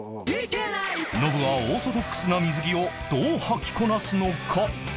ノブはオーソドックスな水着をどうはきこなすのか？